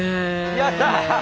やった！